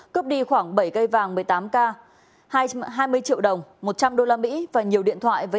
cướp đi khoảng bảy cây vàng một mươi tám k hai trăm hai mươi triệu đồng một trăm linh usd và nhiều điện thoại